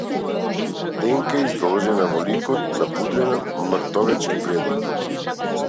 Тенка и издолжена во ликот, напудрена мртовечки бледо.